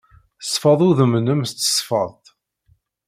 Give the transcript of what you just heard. Sfeḍ udem-nnem s tesfeḍt.